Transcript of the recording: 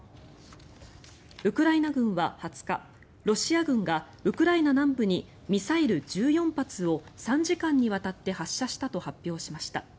ウクライナ軍は２０日ロシア軍がウクライナ南部にミサイル１４発を３時間にわたって発射したと発表しました。